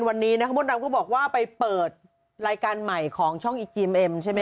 วันนี้นะเค้าบอกว่าไปเปิดรายการใหม่ของช่องใช่ไหมฮะ